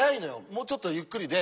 もうちょっとゆっくりで。